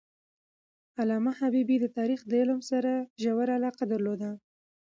علامه حبیبي د تاریخ د علم سره ژوره علاقه درلودله.